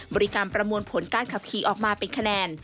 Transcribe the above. บริการประมวลผลการขับขี่ออกมาเป็นคะแนน